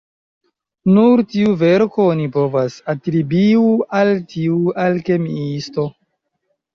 Nur tiu verko oni povas atribiu al tiu alkemiisto.